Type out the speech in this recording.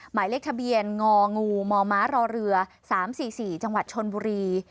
หมายเลขทะเบียนงองูมมรเรือ๓๔๔จังหวัดชนบุรี